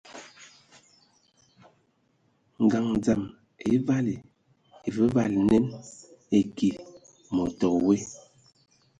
Ngaɲ dzam e vali evǝvali nen, eki mod te woe,